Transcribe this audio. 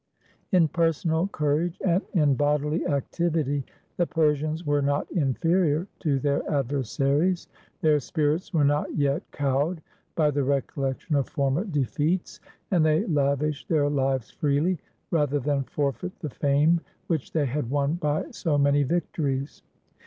In personal courage and in bodily activity the Persians were not inferior to their adversaries. Their spirits were not yet cowed by the recollection of former defeats; and they lavished their lives freely, rather than forfeit the fame which they had won by so many victories.